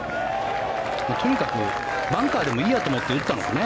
とにかくバンカーでもいいやと思って打ったのかね？